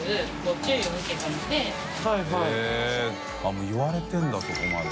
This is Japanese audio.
もう言われてるんだそこまで。